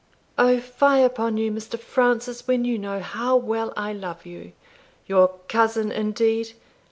"O fie upon you, Mr. Francis, when you know how well I love you Your cousin, indeed!